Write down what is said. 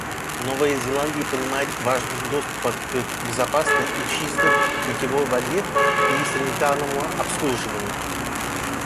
Новая Зеландия понимает важность доступа к безопасной и чистой питьевой воде и санитарному обслуживанию.